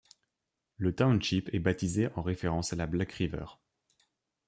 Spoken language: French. Le township est baptisé en référence à la Black River.